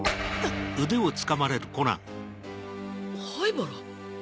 灰原。